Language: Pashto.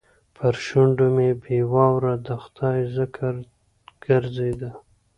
پر شونډو مې بې واره د خدای ذکر ګرځېده.